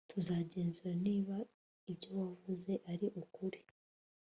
tuzagenzura niba ibyo wavuze ari ukuri